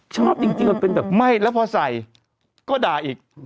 ชอบจริงมันเป็นแบบไม่แล้วพอใส่ก็ด่าอีก